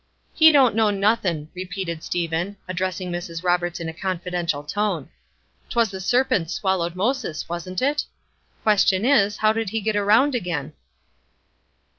"He don't know nothin'!" repeated Stephen, addressing Mrs. Roberts in a confidential tone. "'T was the serpents swallowed Moses, wasn't it? Question is, How did he get around again?"